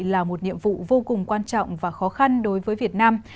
là một nhiệm vụ vô cùng quan trọng và khó khăn đối với việt nam